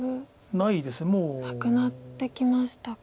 なくなってきましたか。